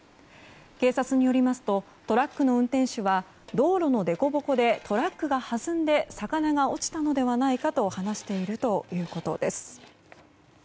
警察によりますとトラックの運転手は道路の凸凹でトラックがはずんで魚が落ちたのではないかと話しているということです。